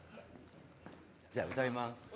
じゃあ、歌います。